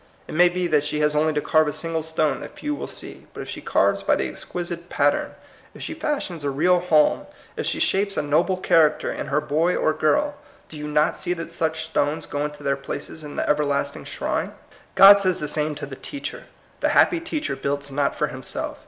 It may be that she has only to carve a single stone that few will see ; but if she carves by the exquisite pat tern, if she fashions a real home, if she shapes a noble character in her boy or girl, do you not see that such stones go into their places in the everlasting shrine? God says the same to the teacher. The happy teacher builds not for himself.